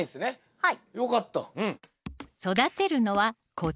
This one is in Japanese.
はい。